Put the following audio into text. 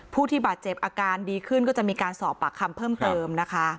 ผู้ที่บาดเจ็บอาการดีขึ้นก็จะมีการสอบปากคำเพิ่มเติมนะคะ